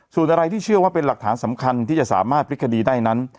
ส่วนอะไรที่เชื่อว่าเป็นหลักฐานสำคัญที่จะสามารถพลิกคดีได้นั้น